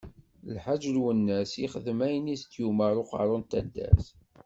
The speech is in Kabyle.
Lḥaǧ Lwennas yexdem ayen i s-d-yumeṛ Uqeṛṛu n taddart.